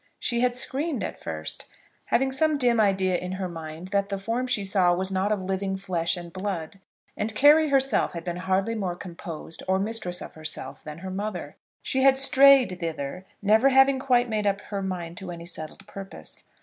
She had screamed at first, having some dim idea in her mind that the form she saw was not of living flesh and blood. And Carry herself had been hardly more composed or mistress of herself than her mother. She had strayed thither, never having quite made up her mind to any settled purpose.